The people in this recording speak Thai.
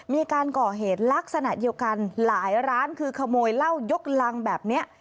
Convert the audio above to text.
มีการก่อเหตุลักษณะเดียวกันหลายร้านคือขโมยเหล้ายกรังแบบนี้